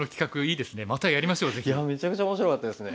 いやめちゃめちゃ面白かったですね。